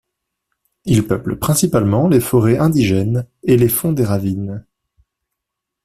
Il peuple principalement les forêts indigènes et les fonds des ravines.